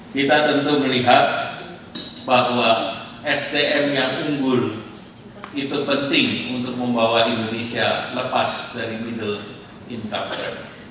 kita tentu melihat bahwa sdm yang unggul itu penting untuk membawa indonesia lepas dari middle income